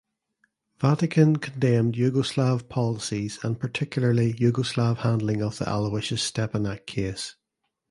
Vatican condemned Yugoslav policies and particularly Yugoslav handling of the Aloysius Stepinac case.